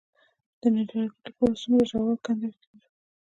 د نیالګي لپاره څومره ژوره کنده وکینم؟